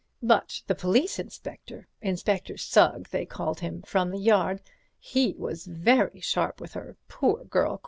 But the police inspector—Inspector Sugg, they called him, from the Yard—he was very sharp with her, poor girl.